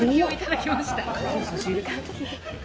はい！